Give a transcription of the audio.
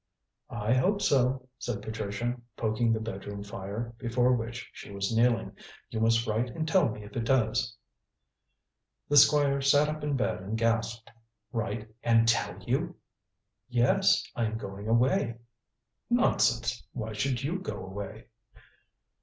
"I hope so," said Patricia, poking the bedroom fire, before which she was kneeling. "You must write and tell me if it does." The Squire sat up in bed and gasped. "Write and tell you?" "Yes. I am going away." "Nonsense! Why should you go away?"